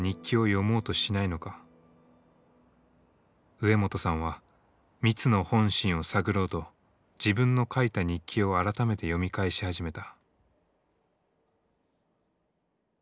植本さんはミツの本心を探ろうと自分の書いた日記を改めて読み返し始めた。